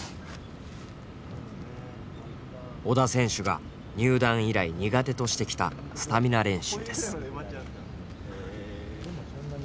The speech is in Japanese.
織田選手が入団以来苦手としてきたスタミナ練習です。